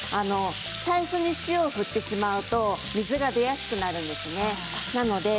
最初に塩を振ってしまうと水が出やすくなるんですね。